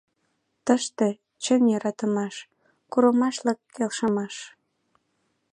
Тыште — чын йӧратымаш, Курымашлык келшымаш.